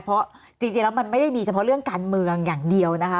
เพราะจริงแล้วมันไม่ได้มีเฉพาะเรื่องการเมืองอย่างเดียวนะคะ